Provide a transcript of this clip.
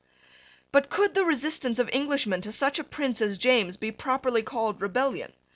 But could the resistance of Englishmen to such a prince as James be properly called rebellion?